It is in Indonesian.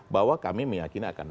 bahwa kami meyakini akan